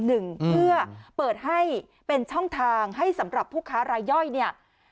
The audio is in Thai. เพื่อเปิดให้เป็นช่องทางให้สำหรับผู้ค้ารายย่อยเนี่ย